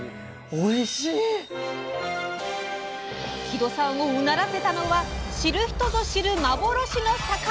木戸さんをうならせたのは知る人ぞ知る幻の魚！